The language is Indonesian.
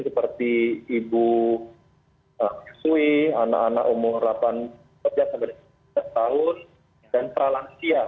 seperti ibu yasui anak anak umur delapan tahun dan pralansia